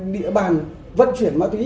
địa bàn vận chuyển ma túy